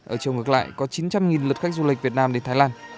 ở chiều ngược lại có chín trăm linh lượt khách du lịch việt nam đến thái lan